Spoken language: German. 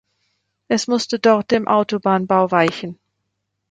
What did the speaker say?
Es musste dort dem Autobahnbau weichen.